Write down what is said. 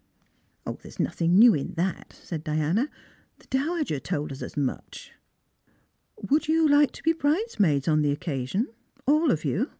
" There's nothing new in that," said Diana; "the dowager told us as much." " Would you like to be bridesmaids on the occasion, all of you?